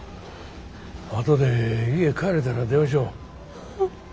あとで家帰れたら電話しよう。